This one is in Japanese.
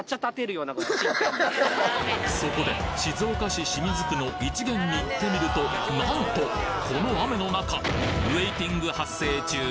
そこで静岡市清水区の「一元」に行ってみるとなんとこの雨の中発生中！